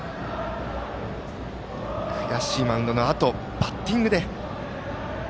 悔しいマウンドのあとバッティングで。